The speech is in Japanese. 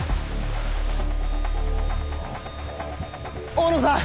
大野さん。